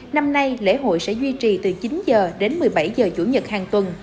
năm nay lễ hội sẽ duy trì từ chín giờ đến một mươi bảy giờ chủ nhật hàng tuần